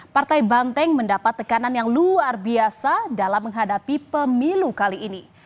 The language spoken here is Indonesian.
partai banteng mendapat tekanan yang luar biasa dalam menghadapi pemilu kali ini